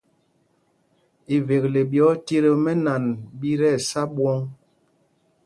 Ivekle ɓi otit o mɛ́nan ɓi tí ɛsá ɓwɔ̂ŋ.